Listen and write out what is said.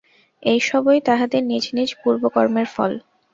এইসবই তাহাদের নিজ নিজ পূর্বকর্মের ফল।